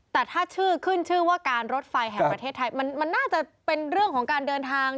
แต่ถ้าชื่อขึ้นชื่อว่าการรถไฟแห่งประเทศไทยมันน่าจะเป็นเรื่องของการเดินทาง